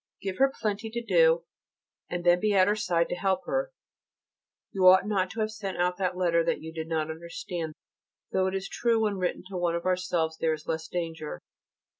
Give her plenty to do, and then be at her side to help her. You ought not to have sent out that letter that you did not understand, though it is true when written to one of ourselves there is less danger.